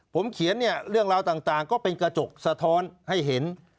ผมเขียนเนี่ยเรื่องราวต่างก็เป็นกระจกสะท้อนให้เห็น